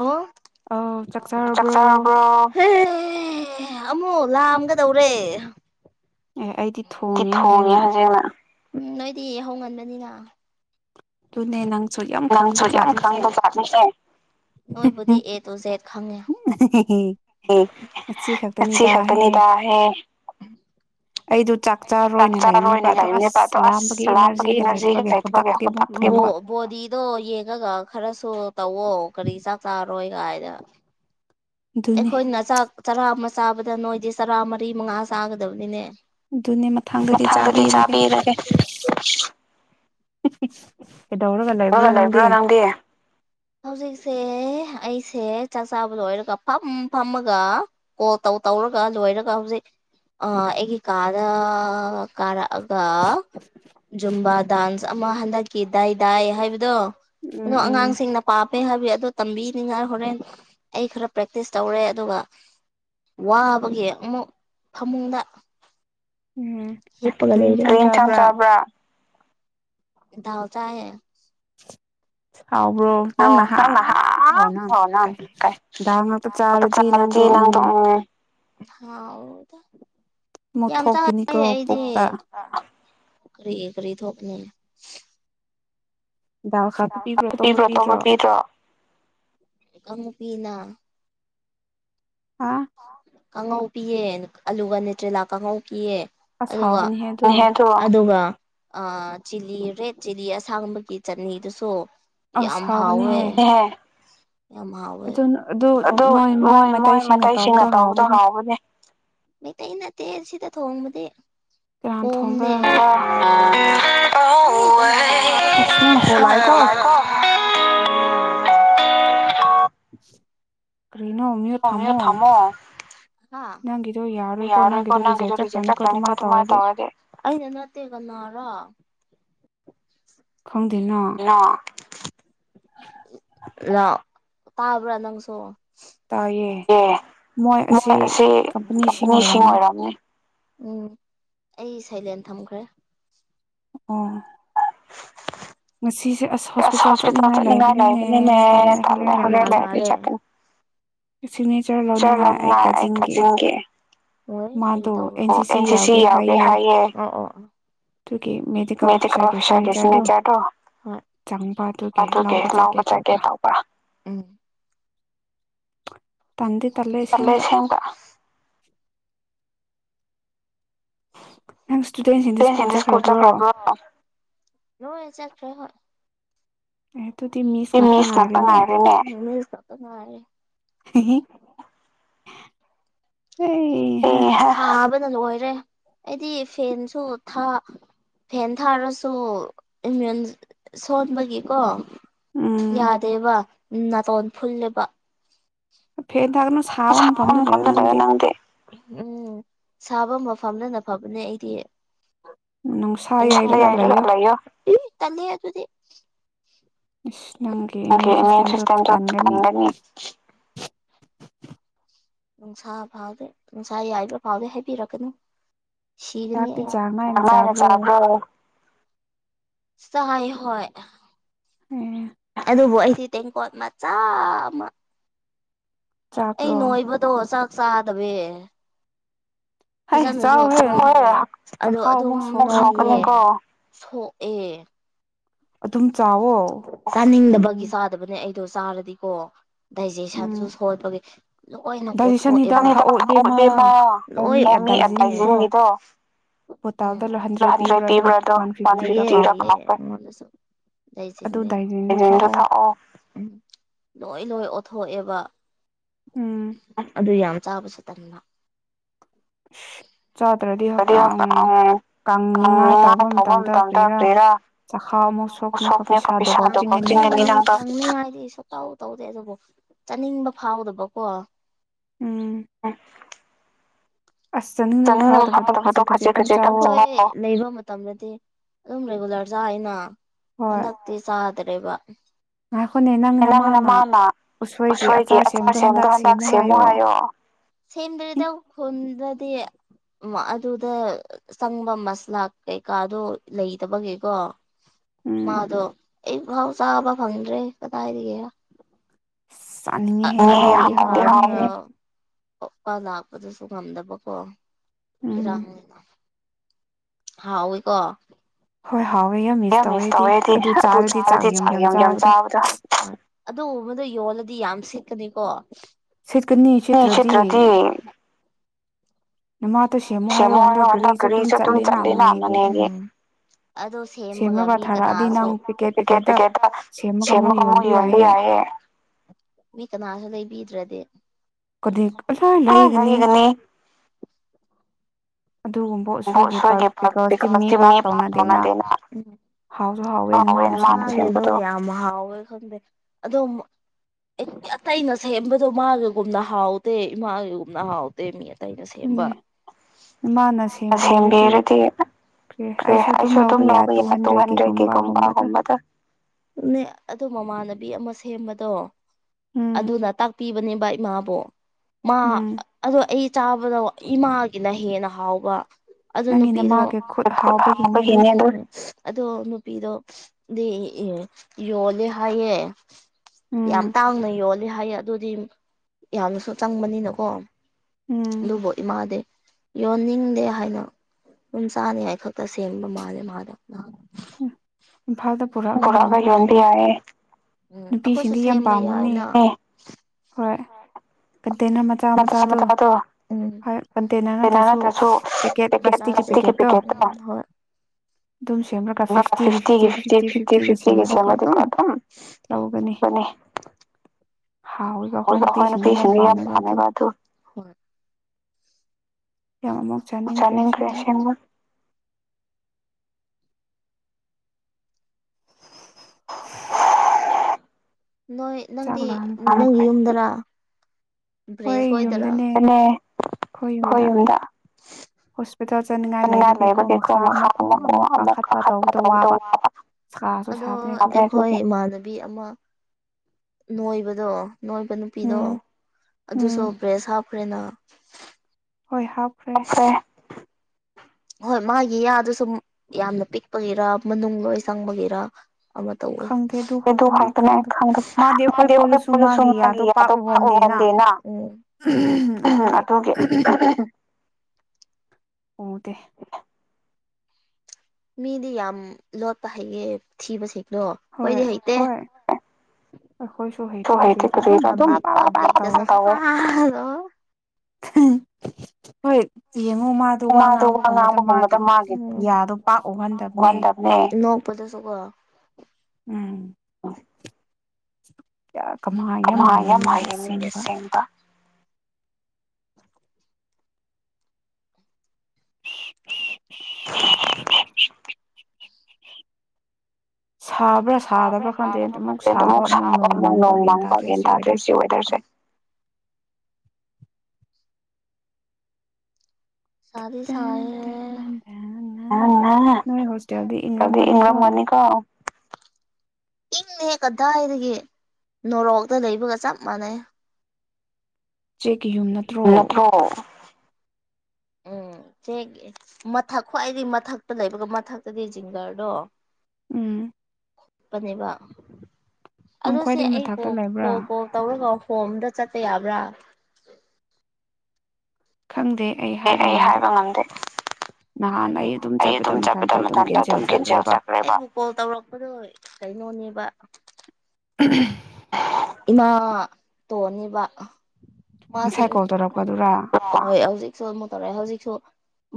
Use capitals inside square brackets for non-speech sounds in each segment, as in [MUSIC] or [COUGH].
[UNINTELLIGIBLE] ꯆꯥꯛ ꯆꯥꯔꯕ‌ꯣ [UNINTELLIGIBLE] ꯑꯃꯨꯛ ꯂꯥꯝꯒꯗꯧꯔꯦ [UNINTELLIGIBLE] ꯊꯣꯡꯉꯦ ꯍꯧꯖꯤꯛꯅ ꯅꯣꯏꯗꯤ ꯌꯥꯍꯧ ꯉꯟꯕꯅꯤꯅ ꯗꯨꯅ‌ꯦ ꯅꯪ ꯅꯪꯁꯨ ꯌꯥꯝ ꯈꯪꯕꯖꯥꯠꯅꯦ [UNINTELLIGIBLE] ꯅꯣꯏꯕꯨꯗꯤ ꯑꯦ ꯇꯨ ꯖꯦꯗ ꯈꯪꯉꯦ ꯎꯝ ꯉꯁꯤ ꯈꯛꯇꯅꯤ ꯇꯥꯎꯍꯦ ꯑꯩꯗꯤꯞ ꯑꯩꯗꯤ ꯆꯥꯛ ꯆꯥꯔ ꯑꯣꯏꯅ ꯂꯩꯕꯅꯦꯕ ꯑꯗꯣ ꯑꯁ ꯂꯥꯝꯕꯒꯤ ꯏꯅꯔꯖꯤꯒ ꯂꯩꯇꯕꯒꯤ ꯍꯧꯒꯠꯄ ꯒꯤꯃꯨꯛ ꯕꯣꯗꯤꯗꯣ ꯌꯦꯡꯉꯒ ꯈꯔꯁꯨ ꯇꯧꯋꯣ ꯀꯔꯤ ꯆꯥꯛ ꯆꯥꯔꯔꯣꯏ ꯀꯥꯏꯅ ꯑꯩꯈꯣꯏꯅ ꯆꯥꯛ ꯆꯔꯥ ꯑꯃ ꯆꯥꯕꯗ ꯅꯣꯏꯗꯤ ꯆꯔꯥ ꯃꯔꯤ ꯃꯉꯥ ꯆꯥꯒꯗꯕꯅꯤꯅꯦ ꯃꯊꯪꯗꯗꯤ ꯆꯥꯕꯤꯔꯒꯦ ꯀꯩꯗꯧꯔꯒ ꯂꯩꯕ꯭ꯔꯣ ꯅꯪꯗꯤ ꯍꯧꯖꯤꯛꯁꯦ ꯑꯩꯁꯦ ꯆꯥꯛ ꯆꯥꯕ ꯂꯣꯏꯔꯒ ꯐꯝ ꯐꯝꯃꯒ ꯀꯣꯜ ꯇꯧ ꯇꯧꯔꯒ ꯂꯣꯏꯔꯒ ꯍꯧꯖꯤꯛ ꯑ ꯑꯩꯒꯤ ꯀꯥꯗ ꯀꯥꯔꯛꯑꯒ ꯖꯨꯝꯕꯥ ꯗꯥꯟꯁ ꯑꯃ ꯍꯟꯗꯛꯀꯤ ꯗꯥꯏ ꯗꯥꯏ ꯍꯥꯏꯕꯗꯣ ꯀꯩꯅꯣ ꯑꯉꯥꯡꯁꯤꯡꯅ ꯄꯥꯃ‌ꯦ ꯍꯥꯏꯕꯩ ꯑꯗꯣ ꯇꯝꯕꯤꯅꯤꯡꯉꯥꯏ ꯍꯣꯔꯦꯟ ꯑꯩ ꯈꯔ ꯄ꯭ꯔꯦꯛꯇꯤꯁ ꯇꯧꯔꯦ ꯑꯗꯨꯒ ꯋꯥꯕꯒꯤ ꯑꯃꯨꯛ ꯐꯃꯨꯡꯗ ꯍꯤꯞꯄꯒ [UNINTELLIGIBLE] ꯀꯩ ꯏꯟꯁꯥꯡ ꯆꯥꯕ꯭ꯔꯥ ꯗꯥꯜ ꯆꯥꯏ ꯍꯥꯎꯕ꯭ꯔꯣ ꯅꯪꯅ ꯍꯥꯝ ꯍꯥꯎꯅ ꯀꯩ ꯗꯥꯜ ꯉꯥꯛꯇ ꯆꯥꯔꯗꯤ ꯅꯪꯗꯣ ꯎꯝ ꯍꯥꯎꯗ ꯌꯥꯝ ꯆꯥꯏ ꯑꯩꯗꯤ ꯑꯥ ꯀꯔꯤ ꯀꯔꯤ ꯊꯣꯛꯄꯅꯣꯅꯦ [UNINTELLIGIBLE] ꯄꯤꯗ꯭ꯔꯣ ꯑꯦꯀ꯭ꯥꯎꯟ ꯅꯨꯄꯤꯅ ꯍꯥ ꯀꯥꯡꯉꯧ ꯄꯤꯌꯦ ꯑꯂꯨꯒ ꯅꯇ꯭ꯔꯦꯂꯥ ꯀꯥꯡꯉꯧ ꯄꯤꯌꯦ ꯑꯗꯨꯒ [UNINTELLIGIBLE] ꯇꯣ ꯑꯗꯨꯒ ꯑ ꯆꯤꯂꯤ ꯔꯦꯗ ꯆꯤꯂꯤ ꯑꯁꯥꯡꯕꯒꯤ ꯆꯠꯅꯤꯗꯨꯁꯨ ꯌꯥꯝ ꯍꯥꯎꯋꯦ ꯌꯥꯝ ꯍꯥꯎꯋꯦ ꯑꯗꯨꯠ ꯃꯣꯏ ꯃꯣꯏ ꯃꯠ ꯃꯤꯁꯤꯡꯅ ꯇꯧꯕꯗꯣ ꯍꯥꯎꯕꯅꯦ ꯃꯩꯇꯩ ꯅꯠꯇꯦ ꯁꯤꯗ ꯊꯣꯡꯕꯗꯤ ꯀꯣꯝꯅꯦꯕ [UNINTELLIGIBLE] ꯑꯁ ꯅꯪ ꯀꯣꯜ ꯂꯥꯛꯑꯦꯀꯣ [UNINTELLIGIBLE] ꯀ꯭ꯔꯤꯅꯣ ꯃ꯭ꯌꯨꯠ ꯊꯝꯃꯣ ꯅꯪꯒꯤꯗꯣ ꯌꯥꯔꯔꯣꯏꯀꯣ ꯅꯪꯒꯤꯗꯣ ꯔꯤꯖꯦꯛ ꯆꯠꯈ꯭ꯔꯅꯤꯀꯣ ꯑꯗꯨꯃꯥꯏ ꯇꯧꯔꯗꯤ ꯑꯩꯅ ꯅꯠꯇꯦ ꯀꯅꯥꯔ ꯈꯪꯗꯦꯅ ꯅ ꯂꯥꯛ ꯇꯥꯕ꯭ꯔꯥ ꯅꯪꯁꯨ ꯇꯥꯏꯌꯦ ꯃꯣꯏ ꯑꯁꯤ ꯀꯝꯄꯅꯤꯁꯤꯡ ꯑꯣꯏꯔꯝꯅꯤ ꯎꯝ ꯑꯩ ꯁꯥꯏꯂꯦꯟ ꯊꯝꯈ꯭ꯔꯦ ꯎꯝ ꯉꯁꯤꯖꯦ ꯑꯁ ꯍꯣꯁꯄꯤꯇꯥꯜ ꯆꯠꯅꯤꯡꯉꯥꯏ ꯂꯩꯕꯅꯤꯅꯦ ꯇꯥꯜꯂꯦ ꯍꯣꯔꯦꯟ ꯂꯩꯔꯗꯤ ꯆꯠꯀꯅꯤ ꯖꯔ ꯑꯝ ꯅꯥꯏ ꯑꯩ ꯀꯖꯤꯟꯒꯤ ꯅꯣꯏꯟ ꯀꯔꯤ ꯇꯧꯕꯅꯣ ꯑꯦꯟ ꯁꯤ ꯁꯤ ꯌꯥꯎꯒꯦ ꯍꯥꯏꯌꯦ ꯎꯝ ꯎꯝ ꯎꯝ ꯃꯤꯗꯤꯀꯦꯜ ꯑꯣꯐꯤꯁꯥꯔ [UNINTELLIGIBLE] ꯆ꯭ꯔꯥꯠꯇꯣ ꯍꯣꯏ ꯑꯗꯨꯒꯤ ꯂꯥꯎꯕ ꯆꯠꯀꯦ ꯇꯧꯕ ꯎꯝ ꯇꯟꯗꯤ ꯇꯜꯂꯦ ꯑꯁꯦꯡꯕ ꯇꯦꯟꯁꯦꯟꯗꯤ ꯁ꯭ꯀꯨꯜ ꯆꯠꯈ꯭ꯔꯕ꯭ꯔꯣ ꯂꯣꯏꯅ ꯆꯠꯈ꯭ꯔꯦ ꯍꯣꯏ ꯎꯝ ꯑꯗꯨꯗꯤ ꯃꯤꯁ ꯏ ꯃꯤꯁ ꯉꯥꯛꯇ ꯉꯥꯏꯔꯦꯅꯦ ꯃꯤꯁ ꯉꯥꯛꯇ ꯉꯥꯏꯔꯦ [UNINTELLIGIBLE] ꯑꯩ ꯍꯥ ꯁꯥꯕꯅ ꯂꯣꯏꯔꯦ ꯑꯩꯗꯤ ꯐꯦꯟꯁꯨ ꯊꯥ ꯐꯦꯟ ꯊꯥꯔꯁꯨ ꯏꯃ꯭ꯌꯨꯟ ꯁꯣꯟꯕꯒꯤꯀꯣ ꯌꯥꯗꯦꯕ ꯅꯥꯇꯣꯟ ꯐꯨꯜꯂꯦꯕ ꯐꯦꯟ ꯊꯥꯒꯅꯨ ꯁꯥꯕ ꯃꯐꯝꯗ ꯂꯩꯌꯣ ꯅꯪꯗꯤ ꯎꯝ ꯁꯥꯕ ꯃꯐꯝꯗꯅ ꯐꯕꯅꯦ ꯑꯩꯗꯤ ꯎꯝ [UNINTELLIGIBLE] ꯂꯩꯌꯣ ꯎꯝ ꯇꯜꯂꯦ ꯑꯗꯨꯗꯤ ꯑꯣꯀꯦ ꯃꯤ ꯈ꯭ꯔꯤꯁꯠꯇꯦꯟ ꯆꯠ ꯀꯟꯒꯅꯤ ꯅꯨꯡꯁꯥ ꯐꯥꯎꯗꯦ ꯅꯨꯡꯁꯥ ꯌꯥꯏꯕ ꯐꯥꯎꯗꯦ ꯍꯥꯏꯕꯤꯔꯛꯀꯅꯨ ꯁꯤꯒꯅꯤ ꯑꯩ ꯉꯥꯏꯅ ꯆꯥꯕ꯭ꯔꯣ ꯆꯥꯏ ꯍꯣꯏ ꯎꯝ ꯑꯗꯨꯕꯨ ꯑꯩꯗꯤ ꯇꯦꯡꯀꯣꯠ ꯃꯆꯥ ꯑꯃ ꯑꯩ ꯅꯣꯏꯕꯗꯣ ꯆꯥꯛ ꯆꯥꯗꯕꯤ ꯐꯖꯅꯁꯨ ꯑꯗꯨꯝ ꯑꯗꯣ ꯑꯗꯨꯝ ꯊꯣꯛꯑꯦ ꯄꯨꯛ ꯁꯣꯛꯄꯅꯦꯀꯣ ꯁꯣꯛꯑꯦ ꯑꯗꯨꯝ ꯆꯥꯎꯋꯣ ꯆꯥꯅꯤꯡꯗꯕꯒꯤ ꯆꯥꯗꯕꯅꯦ ꯑꯩꯗꯣ ꯆꯥꯔꯗꯤꯀꯣ ꯗꯥꯏꯖꯦꯁꯟꯁꯨ ꯁꯣꯏꯕꯒꯤ ꯂꯣꯏꯅ ꯑꯣꯊꯣꯛꯑꯦꯕ ꯅꯪ ꯍꯤꯗꯥꯛ ꯊꯛꯑꯣ ꯏꯕꯦꯝꯃꯥ ꯂꯣꯏ ꯑꯣꯃꯤ ꯑ ꯗꯥꯏꯖꯤꯟꯒꯤꯗꯣ ꯎꯝ ꯍꯟꯗ꯭ꯔꯦꯠ ꯄꯤꯕ꯭ꯔꯥꯗꯣ ꯋꯥꯟ ꯐꯤꯞꯇꯤꯗꯁꯨ ꯗꯥꯏꯖꯤꯟꯗꯣꯂꯣꯏ ꯊꯛꯑꯣ ꯂꯣꯏ ꯂꯣꯏ ꯑꯣꯠꯊꯣꯛꯑꯦꯕ ꯑꯗꯨ ꯌꯥꯝ ꯆꯥꯕꯁꯨ ꯇꯟꯕ [INAUDIBLE] ꯆꯥꯗ꯭ꯔꯗꯤ ꯍꯛꯆꯥꯡ ꯀꯪꯅꯤꯡꯉꯥꯏ ꯇꯧꯕ ꯃꯇꯝꯗ ꯀꯔꯤꯔꯥ ꯆꯛꯈꯦꯎ ꯑꯃꯨꯛ ꯁꯨ ꯁꯣꯛꯄꯅꯦꯀꯣ ꯄꯩꯁꯥꯗꯣ ꯐꯥꯎ ꯆꯤꯡꯉꯅꯤ ꯅꯪ ꯁꯨꯨꯡꯇꯧ ꯇꯧꯗꯦ ꯑꯗꯨꯕꯨ ꯆꯥꯅꯤꯡꯕ ꯐꯥꯎꯗꯕꯀꯣ ꯆꯥꯅꯤꯡꯗꯕ ꯐꯥꯎꯗꯕꯗꯣ ꯈꯖꯤꯛ ꯈꯖꯤꯛ ꯇꯪ ꯆꯊꯣꯛꯑꯣ ꯂꯩꯕ ꯃꯇꯝꯗꯗꯤ ꯑꯗꯨꯝ ꯔꯤꯒꯨꯂꯔ ꯆꯥꯏꯅ ꯍꯟꯗꯛꯇꯤ ꯆꯥꯗ꯭ꯔꯦꯕ ꯅꯪ ꯅꯃꯅꯥ ꯎꯁꯣꯏꯒꯤ ꯑꯆꯥꯔ ꯁꯦꯝꯗꯣ ꯍꯟꯗꯛ ꯁꯦꯝꯃꯨ ꯍꯥꯏꯌꯣ ꯁꯦꯝꯗ꯭ꯔꯦꯗ ꯈꯣꯟꯗꯗꯤ ꯎꯝ ꯑꯗꯨꯗ ꯆꯪꯕ ꯃꯁꯂꯥ ꯀꯩꯀꯥꯗꯣ ꯂꯩꯇꯕꯒꯤꯀꯣ ꯃꯥꯗꯣ ꯑꯩ ꯐꯥꯎ ꯆꯥꯕ ꯐꯪꯗ꯭ꯔꯦ ꯀꯗꯥꯏꯗꯒꯤꯔꯥ [UNINTELLIGIBLE] ꯄ ꯂꯥꯛꯄꯗꯨꯁꯨ ꯉꯝꯗꯕꯀꯣ ꯏꯔꯥꯡꯅꯤꯅ ꯍꯥꯎꯋꯤꯀꯣ ꯌꯥꯝ ꯃꯤꯁ ꯇꯧꯋꯦ ꯑꯩꯗꯤ ꯑꯗꯨ ꯆꯥꯔꯗꯤ ꯆꯥꯛ ꯌꯥꯝ ꯌꯥꯝ ꯆꯥꯕꯗꯣ ꯑꯗꯨ ꯎꯕꯗ ꯌꯣꯜꯂꯗꯤ ꯌꯥꯝ ꯁꯤꯠꯀꯅꯤꯀꯣ ꯁꯤꯠꯇ꯭ꯔꯗꯤ [UNINTELLIGIBLE] ꯑꯗꯨ ꯁꯦꯝꯃꯒ ꯃꯤ ꯀꯅꯥꯁꯨ ꯄꯦꯀꯦꯠ ꯄꯦꯀꯦꯠꯇꯥ ꯁꯦꯝꯃꯥꯒꯥ ꯌꯣꯟꯕ ꯌꯥꯏꯌꯦ [INAUDIBLE] ꯃꯤ ꯀꯅꯥꯁꯨ ꯂꯩꯕꯤꯗ꯭ꯔꯗꯤ ꯀꯔꯤ ꯑꯁꯥꯏ ꯂꯩꯒꯅꯤ [UNINTELLIGIBLE] ꯍꯥꯏꯖꯨ ꯌꯥꯝ ꯍꯥꯎꯋꯦ ꯃꯥꯅ ꯁꯦꯝꯕꯗꯣꯍꯥꯎꯋꯦ ꯌꯥꯝ ꯍꯥꯎꯋꯦ ꯈꯪꯗꯦ ꯑꯗꯣ ꯑꯩ ꯗꯤ ꯑꯇꯩꯩꯅ ꯁꯦꯝꯕꯗꯣ ꯃꯥꯒꯤꯒꯨꯝꯅ ꯍꯥꯎꯇꯦ ꯃꯥꯒꯤꯒꯨꯝꯅ ꯍꯥꯎ ꯇꯦ ꯃꯤ ꯑꯇꯩꯩꯅ ꯁꯦꯝꯕ ꯃꯥꯅꯥ ꯁꯦꯝꯕꯤꯔꯗꯤ ꯀꯦ ꯑꯩꯁꯨ ꯑꯗꯨꯝ ꯂꯥꯎꯕ ꯌꯥꯏ ꯇꯨꯍꯟꯗ꯭ꯔꯦ ꯀꯩꯒꯨꯝꯕꯒꯨꯝꯕꯗꯣ ꯑꯗꯨ ꯃꯃꯥꯟꯅꯕꯤ ꯑꯃ ꯁꯦꯝꯕꯗꯣ ꯑꯗꯨꯅ ꯇꯥꯛꯄꯤꯕꯅꯦꯕ ꯏꯃꯥꯕꯣ ꯃꯥ ꯑꯗꯣ ꯑꯩ ꯆꯥꯕꯗꯣ ꯏꯃꯥꯒꯤꯅ ꯍꯦꯟꯅ ꯍꯥꯎꯕ ꯑꯗꯨ ꯅꯨꯄꯤꯗꯣ ꯈꯨꯠ ꯍꯥꯄꯒꯤꯅꯦ ꯑꯗꯣ ꯅꯨꯄꯤꯗꯣꯗꯤ ꯌꯣꯜꯂꯦ ꯍꯥꯏꯌꯦ ꯌꯥꯝ ꯇꯥꯡꯅ ꯌꯣꯜꯂꯤ ꯍꯥꯏꯌꯦ ꯑꯗꯨꯗꯤ ꯌꯥꯝꯅꯁꯨ ꯆꯪꯕꯅꯤꯅꯀꯣ ꯑꯗꯨꯕꯨ ꯏꯃꯥꯗꯤ ꯌꯣꯟꯅꯤꯡ ꯗꯦ ꯍꯥꯏꯅ ꯁꯨꯝ ꯆꯥꯅꯤꯡꯉꯥꯏ ꯈꯛꯇ ꯁꯦꯝꯕ ꯃꯥꯜꯂꯦ ꯃꯥꯗꯣ ꯅꯍ ꯏꯝꯐꯥꯜꯗ ꯄꯨꯔꯛꯑꯒꯥ ꯌꯣꯟꯗꯕ ꯌꯥꯏꯌꯦ ꯅꯨꯄꯤꯁꯤꯡꯗꯤ ꯌꯥꯝ ꯄꯥꯝꯒꯅꯤ ꯍꯣꯏ ꯀꯟꯇꯦꯅꯔ ꯃꯆꯥ ꯃꯆꯥꯗꯣ ꯍꯣꯏ ꯀꯟꯇꯦꯅꯔ ꯅꯠꯇ꯭ꯔꯁꯨ ꯄꯦꯀꯦꯠ ꯄ꯭ꯂꯥꯁꯇꯤꯛꯀꯤ ꯄꯦꯀꯦꯠꯇꯣ ꯑꯗꯨꯝ ꯁꯦꯝꯃ꯭ꯔꯒ ꯐꯤꯞꯇꯤꯒꯤ ꯐꯤꯞꯇꯤ ꯁꯤꯒꯤ ꯁꯦꯝꯃꯗꯤꯀꯣ ꯑꯗꯨꯝ ꯂꯧꯒꯅꯤ ꯍꯥꯎꯋꯤ ꯑꯩꯈꯣꯏ ꯅꯨꯄꯤꯁꯤꯡꯗꯤ ꯌꯥꯝ ꯄꯥꯝꯃꯦꯕ ꯑꯗꯨ ꯀꯌꯥꯝ ꯑꯃꯨꯛ ꯆꯥꯅꯤꯡꯈ꯭ꯔꯦ ꯑꯁ‌ꯦꯡꯕ ꯅꯣꯏ ꯅꯪꯗꯤ ꯅꯪꯒꯤ ꯌꯨꯝꯗꯔꯥ ꯍꯣꯏ ꯌꯨꯝꯗꯅꯦ ꯑꯩꯈꯣꯏ ꯌꯨꯝꯗ ꯍ‌ꯣꯁ ꯄꯨꯟꯅ ꯂꯩꯕꯒꯤꯀꯣ ꯃꯈꯥ ꯑꯃꯨꯛꯀꯣ ꯑꯃꯨꯛ ꯀꯥꯈꯠꯄ ꯇꯧ ꯇꯧꯅ ꯑꯗꯣ ꯑꯩꯈꯣꯏ ꯏꯃꯥꯟꯅꯕꯤ ꯑꯃ ꯅꯣꯏꯕꯗꯣ ꯅꯣꯏꯕ ꯅꯨꯄꯤꯗꯣ ꯑꯗꯨꯁꯨ ꯕ꯭ꯔꯦꯁ ꯍꯥꯞꯈ꯭ꯔꯦꯅ ꯍꯣꯏ ꯍꯥꯞ ꯑꯣꯐ꯭ꯔ‌ꯦ ꯍꯣꯏ ꯃꯥꯒꯤ ꯌꯥꯗꯨ ꯁꯨꯝ ꯌꯥꯝꯅ ꯄꯤꯛꯄꯒꯤꯔꯥ ꯃꯅꯨꯡ ꯂꯣꯏ ꯆꯪꯕꯒꯤꯔꯥ ꯑꯃ ꯇꯧꯋꯦ ꯀ‌ꯦꯗꯨ ꯍꯥꯞꯄꯅꯦ ꯑꯩ ꯈꯪꯗ ꯃꯥꯗꯤ ꯑꯈ‌ꯣꯏ ꯄꯨꯜꯂꯁꯨ ꯃꯥꯒꯤ ꯃꯥꯗꯣ ꯄꯥꯛ ꯎꯍꯟꯗ‌ꯦꯅ ꯎꯝ ꯑꯗꯨꯒꯤ ꯎꯗ‌ꯦ ꯃꯤꯗꯤ ꯌꯥꯝ ꯂꯣꯠꯄ ꯍꯩꯌꯦ ꯊꯤꯕꯁꯤꯡꯗꯣ ꯑꯩꯈꯣꯏꯗꯤ ꯍꯩꯇꯦ [UNINTELLIGIBLE] ꯍꯣꯏ ꯌꯦꯡꯉꯣ ꯃꯥꯗꯣ ꯋꯥ ꯉꯥꯡꯕꯒꯨꯝꯕꯗ ꯃꯥꯒꯤ ꯌꯥꯗꯣ ꯄꯥꯛ ꯎꯍꯟꯗꯕꯅꯦ ꯄꯗꯁꯨꯒꯣ ꯎꯝ ꯀꯌꯥ ꯀꯃꯥꯏ ꯌꯥꯝ ꯍꯩꯌꯦ ꯃꯤꯒꯤ ꯑꯁꯦꯡꯕ [UNINTELLIGIBLE] ꯁꯥꯕ꯭ꯔꯥ ꯁꯥꯗꯕ꯭ꯔꯥ ꯈꯪꯗ꯭ꯔꯦ ꯑꯗꯨꯃꯨꯛ ꯁꯥꯕ ꯑꯃꯨꯛ ꯅꯣꯡ ꯃꯡꯕ ꯒ꯭ꯌꯥꯟ ꯇꯥꯗ꯭ꯔꯦ ꯁꯤ ꯋꯦꯗ꯭ꯔꯁꯦ ꯇ‌ꯦꯅꯠ ꯇꯦꯠꯅꯟ [UNINTELLIGIBLE] ꯅ‌ꯣꯏ ꯍꯣꯁꯇꯦꯜꯗꯤ ꯏꯪꯔꯝꯒꯅꯤ ꯀꯣ ꯏꯪꯉ‌ꯦꯍꯦ ꯀꯗꯥꯏꯗꯒꯤ ꯅꯣꯔꯣꯛꯇ ꯂꯩꯕꯒ ꯆꯞ ꯃꯥꯟꯅꯩ ꯆꯦꯛꯀꯤ ꯌꯨꯝ ꯅꯠꯇ꯭ꯔꯣ ꯎꯝ ꯆ‌ꯦꯛ ꯏ ꯃꯊꯛ ꯈ꯭ꯋꯥꯏꯗꯩ ꯃꯊꯛꯇ ꯂꯩꯕꯒ ꯃꯊꯛꯇꯗꯤ ꯖꯤꯡꯒ꯭ꯔꯗꯣ ꯎꯝ ꯈꯨꯞꯄꯅꯦꯕ ꯑꯗꯨ ꯁꯤ ꯑꯩ ꯀꯣꯛ ꯀ‌ꯣꯜ ꯀꯣꯜ ꯇꯧꯔꯒ ꯍꯣꯝꯗ ꯆꯠꯄ ꯌꯥꯕ꯭ꯔꯥ ꯑꯦ ꯑꯩ ꯍꯥꯏꯕ ꯉꯝꯗꯦ ꯌꯥꯔ‌ꯦ ꯑꯩ ꯑꯗꯨꯝ ꯆꯠꯄꯗ ꯃꯇꯝꯗ ꯑꯗꯨꯝ ꯀ‌ꯦꯟꯁ‌ꯦꯜ‌ ꯆꯠꯈ꯭ꯔ‌ꯦꯕ ꯀꯣꯜ ꯇꯧꯔꯛꯄꯗꯣ ꯀꯩꯅꯣꯅꯦꯕ [UNINTELLIGIBLE] ꯏꯃꯥ ꯇꯣꯟꯅꯤꯕ ꯃꯥꯁꯤꯡ ꯍꯣꯏ ꯍꯧꯖꯤꯛꯁꯨ ꯑꯃꯨꯛ ꯇꯧꯔꯛꯑꯦ ꯍꯧꯖꯤꯛꯁꯨ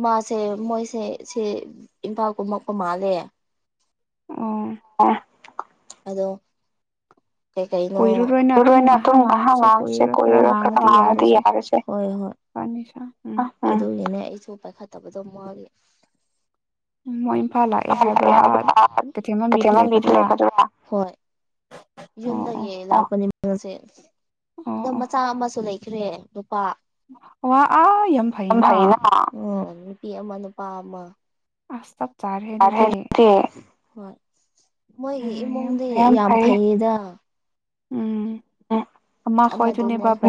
ꯃꯥꯁꯦ ꯃꯣꯏꯁꯦ ꯁ‌ꯦ ꯏꯝꯐꯥꯜ ꯀꯨꯝꯃꯛꯄ ꯃꯥꯜꯂꯦ ꯑꯣ ꯍ‌ꯣꯏ ꯑꯗꯣ ꯀꯣꯏꯔꯨꯔꯣꯏꯅ ꯑꯗꯨꯝ ꯉꯥꯏꯍꯥꯛ ꯉꯥꯡꯉꯁꯦ ꯀꯨꯏꯔꯔꯣꯏ ꯈꯔ ꯉꯥꯡꯉꯗꯤ ꯌꯥꯔ‌ꯦꯁꯦ ꯐꯅꯤꯁꯥ ꯎꯝ ꯎꯝ ꯑꯗꯨꯒꯤꯅꯦ ꯑꯩꯁꯨ ꯄꯥꯏꯈꯠꯇꯕꯗꯣ ꯃꯥꯒꯤ ꯎꯝ ꯃ‌ꯣꯏꯟ ꯑ ꯂꯩ ꯍꯥꯏꯗ ꯀꯃ ꯂꯩꯗ [UNINTELLIGIBLE] [INAUDIBLE] ꯌꯨꯝꯗꯒꯤ ꯂꯥꯛꯄꯅꯦ ꯃꯁꯦ ꯑꯗꯣ ꯃꯆꯥ ꯑꯃꯁꯨ ꯂꯩ ꯠꯇ꯭ꯔꯦ ꯂꯨꯄꯥ ꯐꯅ [INAUDIBLE] ꯑꯣ ꯅꯨꯄꯤ ꯑꯃ ꯅꯨꯄꯥ ꯑꯃ ꯑꯁ ꯆꯞ ꯆꯥꯔꯦ ꯍ ꯃꯣꯏꯒꯤ ꯏꯃꯨꯡꯗꯤꯗ [UNINTELLIGIBLE] ꯎꯝ ꯎꯝ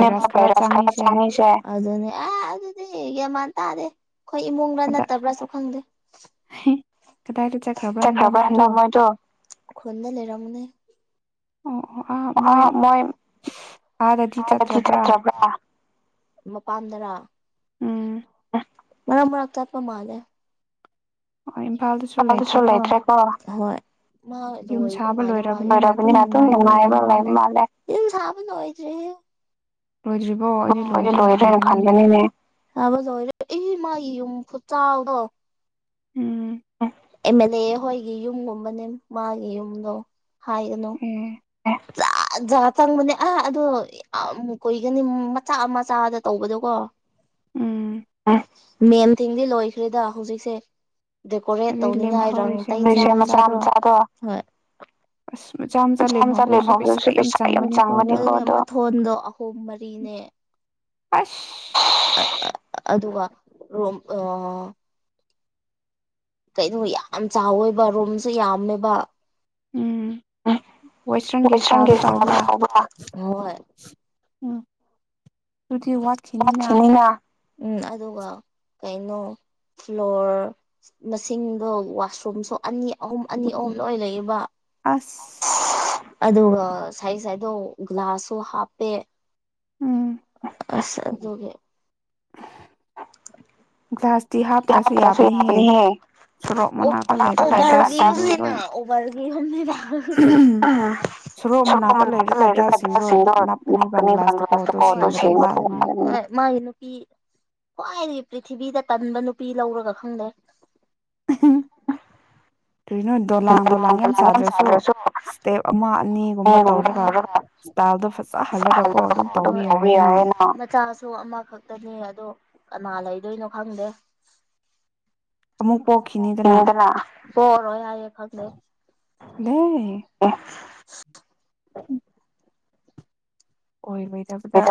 ꯃ ꯄꯄ ꯔꯥꯁ ꯈꯔ ꯆꯅꯤꯁꯦ [UNINTELLIGIBLE] ꯑꯗꯨꯅꯦ ꯑꯥ ꯑꯗꯨꯗꯤ ꯒ꯭ꯌꯥꯟꯃꯥꯟ ꯇꯥꯗꯦ ꯈꯣꯏ ꯏꯃꯨꯡꯂꯥ ꯅꯠꯇꯕ꯭ꯔꯥꯁꯨ ꯈꯪꯗꯦ ꯆꯠꯈ꯭ꯔꯕ ꯍꯥꯟꯗꯛ ꯃꯥꯖꯨ ꯎꯈ꯭ꯔꯨꯜꯗ ꯂꯩꯔꯝꯕꯅꯦ ꯑ ꯑꯥ ꯃꯣꯏꯥꯕꯗꯤ ꯆꯠꯇ꯭ꯔꯕ꯭ꯔꯥ [UNINTELLIGIBLE] ꯃꯄꯥꯟꯗꯔꯣ ꯃꯔꯛ ꯃꯔꯛ ꯆꯠꯄ ꯃꯥꯜꯂꯦ ꯑꯃꯥ ꯏꯝꯐꯜ ꯏꯝꯐꯥꯜꯗꯁꯨ ꯂꯩꯇ꯭ꯔꯦꯀꯣ ꯃꯥ ꯂꯣꯏꯕ ꯃꯥꯜꯂꯦ ꯂꯣꯏꯔꯕꯅꯦ ꯑꯗꯨꯝ ꯅꯨꯡꯉꯥꯏꯕ ꯂꯩ ꯃꯥꯜꯂꯦ ꯌꯨꯝ ꯁꯥꯕꯅ ꯂꯣꯏꯗ꯭ꯔꯤꯍꯦ ꯂꯣꯏꯗꯔ꯭ꯤ ꯑꯣ ꯑꯩꯗꯤ ꯂꯣꯔꯦꯅ ꯈꯟꯕꯅꯤꯅꯦ ꯁꯥꯕ ꯂꯣꯏꯔꯦ ꯏꫯ ꯃꯥꯒꯤ ꯌꯨꯝ ꯈꯨꯆꯥꯎꯗꯣ ꯎꯝ ꯑꯦꯝ ꯑꯦꯜ ꯂꯦ ꯍꯣꯏꯒꯤ ꯌꯨꯝꯒꯨꯝꯕꯅꯦ ꯃꯥꯒꯤ ꯌꯨꯝꯗꯣ ꯍꯥꯏꯒꯅꯨ ꯖꯥꯠ ꯖꯥꯠ ꯆꯪꯡꯕꯅꯦ ꯑꯥ ꯑꯗꯨ ꯌꯥꯝ ꯀꯨꯏꯒꯅꯤ ꯃꯆꯥ ꯃꯆꯥꯗ ꯇꯧꯕꯗꯣꯀꯣ ꯃꯦꯟ ꯊꯤꯡꯗꯤ ꯂꯣꯏꯈ꯭ꯔꯦꯗ ꯍꯧꯖꯤꯛꯁꯦ ꯗꯦꯀꯣꯔꯦꯠ ꯇꯧꯅꯤꯡꯉꯥꯏ ꯔꯡ ꯇꯩꯅꯉꯥꯏ ꯃꯆꯥ ꯃꯆꯥꯗꯣ ꯃꯆꯥꯥ ꯃꯆꯥ ꯂꯩꯍꯧꯔꯁꯨ ꯄꯩꯁꯥ ꯌꯥꯝ ꯆꯪꯕꯅꯦ ꯃꯊꯣꯟꯗꯣ ꯔꯨꯝ ꯃꯔꯤꯅꯦ ꯑꯁꯁ ꯑꯗꯨꯒ ꯔꯣꯝ ꯑ ꯀꯩꯅꯣ ꯌꯥꯝ ꯆꯥꯎꯋꯦꯕ ꯔꯨꯝꯁꯨ ꯌꯥꯝꯃꯦꯕ ꯋꯥꯁꯔꯨꯝꯒꯤ ꯀꯥꯗꯨ ꯆꯥꯎꯕ꯭ꯔꯥ ꯎꯝ ꯎꯝ ꯑꯗꯨꯒ ꯀꯩꯅꯣ ꯐ꯭ꯂꯣꯔ ꯃꯁꯤꯡꯗꯣ ꯋꯥꯁꯔꯨꯝꯁꯨ ꯑꯅꯤ ꯑꯍꯨꯝ ꯑꯅꯤ ꯑꯍꯨꯝ ꯂꯣꯏ ꯂꯩꯌꯦꯕ ꯑꯁ ꯑꯗꯨꯒ ꯁꯥꯏꯠ ꯁꯥꯏꯠꯗꯣ ꯒ꯭ꯂꯥꯁꯁꯨ ꯍꯥꯞꯄꯦ ꯎꯝ ꯑꯁ ꯑꯗꯨꯕꯨ ꯌꯥꯎꯇ꯭ꯔꯁꯨ ꯌꯥꯕꯅꯤꯍꯦ ꯎꯕꯔꯒꯤꯅꯤ [UNINTELLIGIBLE] ꯁꯣꯔꯣꯛ ꯃꯅꯥꯛꯇ ꯂꯩꯔꯒ ꯕꯁ ꯁꯤꯡꯗꯣ ꯂꯥꯛꯀꯅꯤꯕ ꯕꯪꯒ꯭ꯂꯥꯇ ꯀꯣꯗꯣ ꯁꯦꯡꯕꯗꯣ ꯋꯥꯔꯅꯤ [UNINTELLIGIBLE] ꯃꯥꯒꯤ ꯅꯨꯄꯤ ꯈ꯭ꯋꯥꯏꯗꯒꯤ ꯄ꯭ꯔꯤꯊꯤꯕꯤꯗ ꯇꯟꯕ ꯅꯨꯄꯤ ꯂꯧꯔꯒ ꯈꯪꯗꯦ ꯍꯨꯝ ꯀꯔꯤꯅꯣ ꯗꯣꯂꯥꯟ ꯗꯣꯂꯥꯟ ꯌꯥꯝ ꯁꯥꯗ꯭ꯔꯁꯨ ꯏꯁꯇꯦꯞ ꯑꯃ ꯑꯅꯤꯒꯨꯝꯕ ꯇꯧꯔꯒ ꯏꯁꯇꯥꯏꯜꯗꯣ ꯐꯖꯍꯜꯂꯒ ꯀꯣ ꯑꯗꯨꯝ ꯇꯧꯕ ꯌꯥꯔꯦꯅ ꯆꯠꯂꯦ ꯑꯗꯣ ꯀꯅꯥ ꯂꯩꯗꯣꯏꯅꯣ ꯈꯪꯗꯦ ꯑꯃꯨꯛ ꯄꯣꯛ [UNINTELLIGIBLE] ꯄꯣꯛꯈꯤꯅꯤꯗꯅ ꯄꯣꯛꯔꯣꯏ ꯍꯥꯏꯌꯦ ꯈꯪꯗꯦ [UNINTELLIGIBLE] ꯎꯝ ꯑꯣꯏꯔꯣꯏꯗꯕꯗ